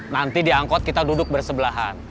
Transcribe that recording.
nanti diangkut kita duduk bersebelahan